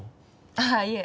ああいえ